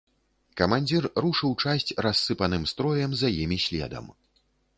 Камандзір рушыў часць рассыпаным строем за імі следам.